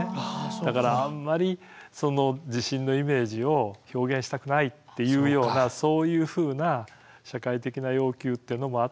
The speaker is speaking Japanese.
だからあんまりその地震のイメージを表現したくないっていうようなそういうふうな社会的な要求っていうのもあったのかなっていうふうに思う。